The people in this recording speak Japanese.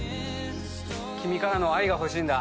キミからの愛が欲しいんだ。